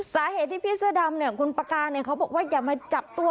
สาเหตุที่พี่เสื้อดำเนี่ยคุณปากาเนี่ยเขาบอกว่าอย่ามาจับตัว